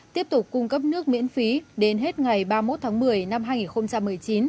tiếp tục cung cấp nước miễn phí đến hết ngày ba mươi một tháng một mươi năm hai nghìn một mươi chín